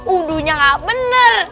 udunya gak bener